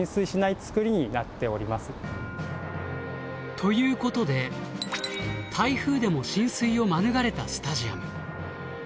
ということで台風でも浸水を免れたスタジアム。